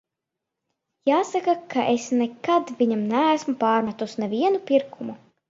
Jāsaka, ka es nekad viņam neesmu pārmetusi nevienu pirkumu.